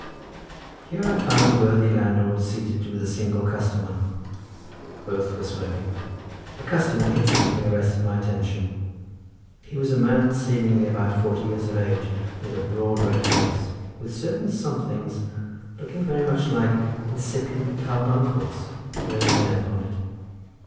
Here I found the worthy landlord seated with a single customer; both were smoking. The customer instantly arrested my attention. He was a man seemingly about forty years of age with a broad red face, with certain somethings, looking very much like incipient carbuncles, here and there upon it.